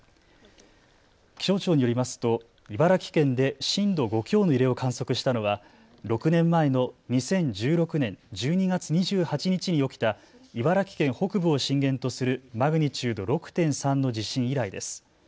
気象庁によりますと茨城県で震度５強の揺れを観測したのは６年前の２０１６年１２月２８日に起きた茨城県北部を震源とするマグニチュード６．３の地震以来です。